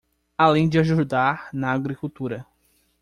Além de ajudar na agricultura